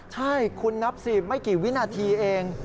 ใช่คุณนับสิไม่กี่วินาทีเอง